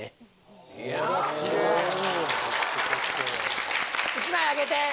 ・おぉ・１枚あげて。